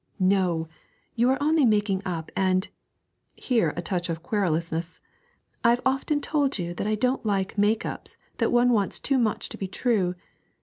'No! you are only making up, and' (here a touch of querulousness) 'I've often told you that I don't like make ups that one wants too much to be true.